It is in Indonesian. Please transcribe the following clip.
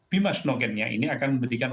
bimas nogennya ini akan memberikan